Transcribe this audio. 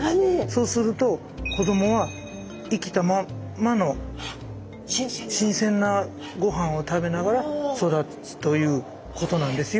そうすると子どもは生きたままの新鮮なごはんを食べながら育つということなんですよ。